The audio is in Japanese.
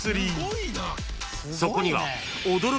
［そこには］